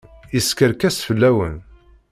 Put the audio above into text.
Yeskerkes fell-awen.